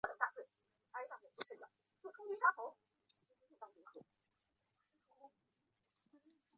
圣马尔克杜科。